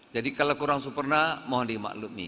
jadi kalau kurang superna mohon diimaklumi